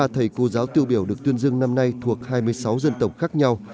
ba mươi thầy cô giáo tiêu biểu được tuyên dương năm nay thuộc hai mươi sáu dân tộc khác nhau